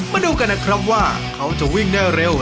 มาดูกันนะครับว่าเขาจะวิ่งได้เร็ว